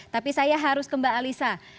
tapi saya harus ke mbak alisa